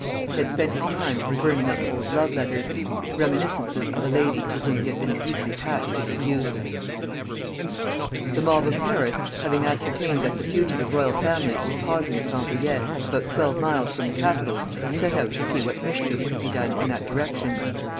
He had spent his time in burning up old love letters, reminiscences of a lady to whom he had been deeply attached in his youth. [Footnote 1: All the Year Round, 1885.] The mob of Paris having ascertained that the fugitive royal family were pausing at Rambouillet, about twelve miles from the capital, set out to see what mischief could be done in that direction.